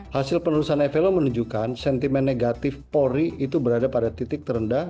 hasil penelusuan evelo menunjukkan sentimen negatif polri itu berada pada titik terendah